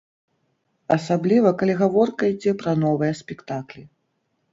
Асабліва, калі гаворка ідзе пра новыя спектаклі.